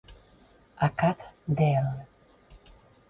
Acad de l'.